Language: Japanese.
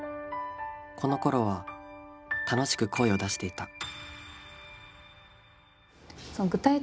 このころは楽しく声を出していた。